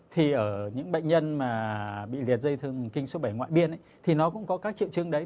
thì ở những bệnh nhân mà bị liệt dây thương kinh số bảy ngoại biên thì nó cũng có các triệu chứng đấy